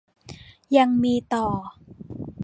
ยังมีต่อ